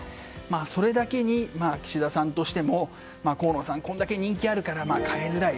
それだけに岸田さんとしても河野さんこれだけ人気があるから代えづらい。